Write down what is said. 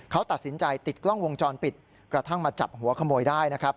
เขาตัดสินใจติดกล้องวงจรปิดกระทั่งมาจับหัวขโมยได้นะครับ